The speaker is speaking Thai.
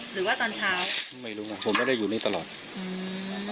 หรือว่าตอนเช้าไม่รู้ไงผมไม่ได้อยู่นี่ตลอดอืม